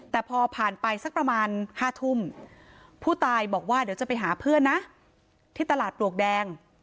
แต่พอผ่านไปสักประมาณ๕ทุ่มผู้ตายบอกว่าเดี๋ยวจะไปหาเพื่อนนะที่ตลาดปลวกแดง